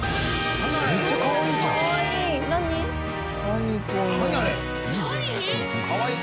めっちゃかわいいじゃん。かわいい。